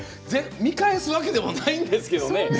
見返すわけでもないんですけどね。